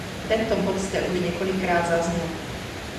Tento bod zde už několikrát zazněl.